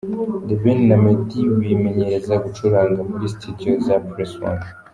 The Ben na Meddy bimenyereza gucuranga muri Studio za Press One.